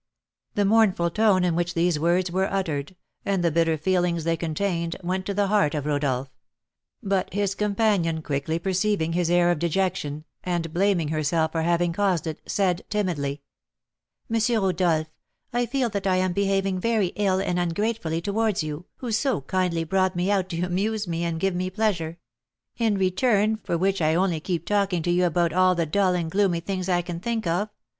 The mournful tone in which these words were uttered, and the bitter feelings they contained, went to the heart of Rodolph; but his companion, quickly perceiving his air of dejection, and blaming herself for having caused it, said, timidly: "M. Rodolph, I feel that I am behaving very ill and ungratefully towards you, who so kindly brought me out to amuse me and give me pleasure; in return for which I only keep talking to you about all the dull and gloomy things I can think of!